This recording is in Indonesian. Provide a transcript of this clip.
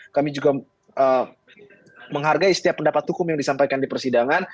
kami juga menghargai setiap pendapat hukum yang disampaikan di persidangan